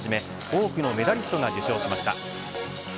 多くのメダリストが受賞しました。